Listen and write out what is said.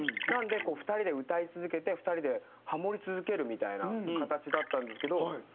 なので２人で歌い続けて２人でハモり続けるみたいな形だったんですけど。